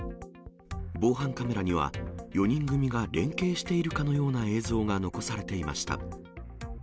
防犯カメラには、４人組が連携しているかのような映像が残されていました。